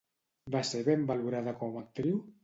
Va ser ben valorada com a actriu?